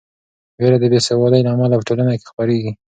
وېره د بې سوادۍ له امله په ټولنه کې خپریږي.